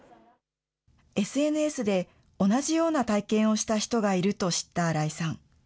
ＳＮＳで同じような体験をした人がいると知った新井さん。